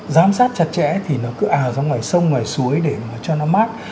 giám sát chặt chẽ thì nó cứ à ra ngoài sông ngoài suối để mà cho nó mát